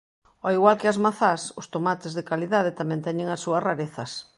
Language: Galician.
Ó igual que as mazás, os tomates de calidade tamén teñen as súas rarezas.